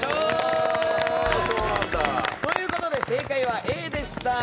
ということで正解はＡでした。